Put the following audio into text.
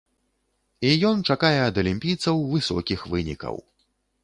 І ён чакае ад алімпійцаў высокіх вынікаў.